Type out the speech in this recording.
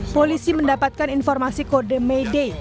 polisi mendapatkan informasi kode mayday